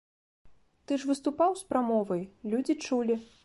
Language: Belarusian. Ты ж выступаў з прамовай, людзі чулі.